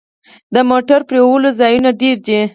د موټر مینځلو ځایونه ډیر دي؟